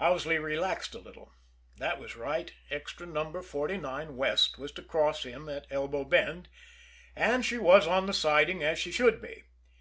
Owsley relaxed a little. That was right Extra No. 49, west, was to cross him at Elbow Bend and she was on the siding as she should be.